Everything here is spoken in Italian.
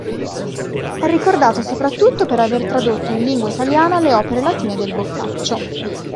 È ricordato soprattutto per aver tradotto in lingua italiana le opere latine del Boccaccio.